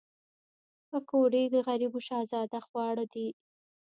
پکورې د غریبو شهزاده خواړه دي